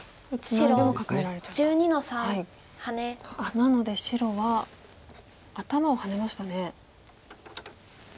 なので白は頭をハネましたね。